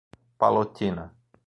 Palotina